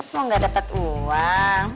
mau gak dapat uang